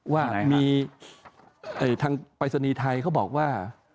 ว่ามีทางปรายศนีย์ไทยเขาบอกว่า